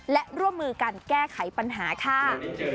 และร่วมมือกันแก้ไขปัญหาค่ะ